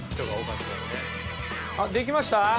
あっできました？